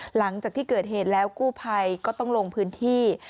หลังจากที่เกิดเหตุแล้วกู้ภัยก็ต้องลงพื้นที่